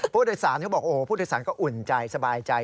พูดโดยสารเขาบอกว่าพูดโดยสารก็อุ่นใจสบายใจ